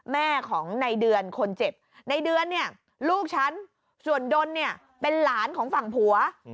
แม่ของในเดือนคนเจ็บในเดือนเนี่ยลูกฉันส่วนดนเนี่ยเป็นหลานของฝั่งผัว